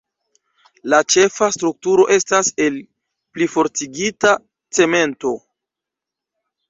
La ĉefa strukturo estas el plifortigita cemento.